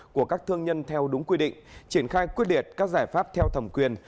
của các thương nhân theo đúng quy định triển khai quyết liệt các giải pháp theo thẩm quyền